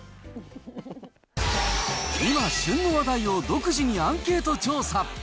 今、旬の話題を独自にアンケート調査。